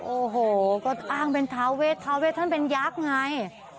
โอ้โหก็อ้างเป็นทาเวทาเวทท่านเป็นยักษ์ไง